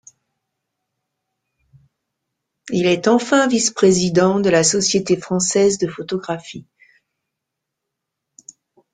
Il est enfin vice-président de la Société française de photographie.